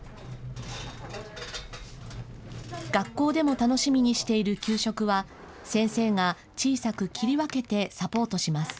学校でも楽しみにしている給食は、先生が小さく切り分けてサポートします。